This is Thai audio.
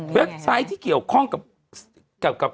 ไซต์ที่เกี่ยวข้องกับ